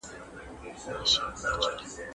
هغه د خپلو هڅو په برکت بريالی شو.